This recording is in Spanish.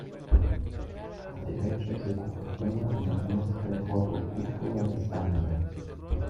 A la derecha se proporciona una muestra del rojo púrpura estándar.